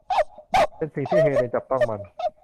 เป็นสิ่งที่เฮเลนจับต้องมัน